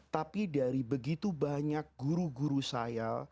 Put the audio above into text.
tapi dari begitu banyak guru guru saya